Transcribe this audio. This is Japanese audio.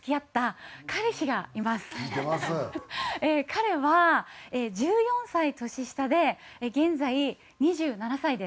彼は１４歳年下で現在２７歳です。